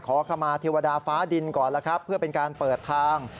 ขอเข้ามาเทวดาฟ้าดินก่อนเพื่อเป็นการเปิดทาง